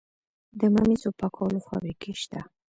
د ممیزو پاکولو فابریکې شته؟